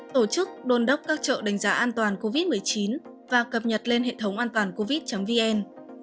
tổ chức đôn đốc các chợ đánh giá an toàn covid một mươi chín và cập nhật lên hệ thống an toàn covid vn